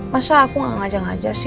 masa aku ngajar ngajar sih